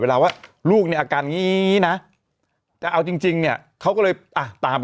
ว่าลูกเนี่ยอาการอย่างนี้นะแต่เอาจริงจริงเนี่ยเขาก็เลยอ่ะตามไป